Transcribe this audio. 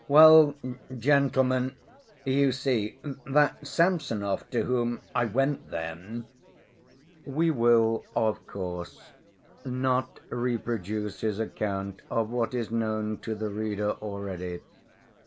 "Well, gentlemen, you see, that Samsonov to whom I went then ..." We will, of course, not reproduce his account of what is known to the reader already.